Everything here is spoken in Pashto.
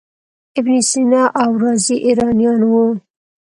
ابن سینا او رازي ایرانیان وو.